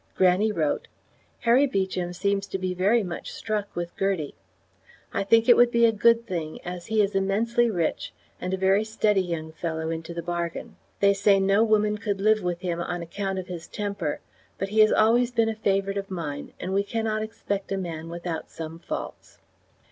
Grannie wrote: Harry Beecham seems to be very much struck with Gertie. I think it would be a good thing, as he is immensely rich, and a very steady young fellow into the bargain. They say no woman could live with him on account of his temper; but he has always been a favourite of mine, and we cannot expect a man without some faults.